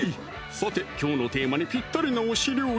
さてきょうのテーマにぴったりな推し料理